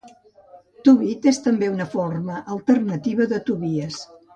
Tobit és també una forma alternativa de Tobias.